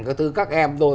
cái thứ các em tôi